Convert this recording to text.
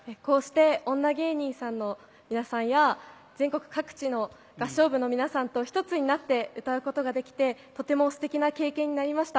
女芸人さんの皆さんや全国各地の合唱部の皆さんと一つになって歌うことができてとてもステキな経験になりました。